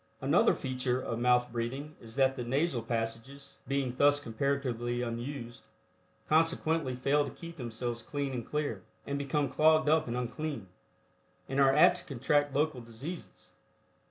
Another feature of mouth breathing is that the nasal passages, being thus comparatively unused, consequently fail to keep themselves clean and clear, and become clogged up and unclean, and are apt to contract local diseases.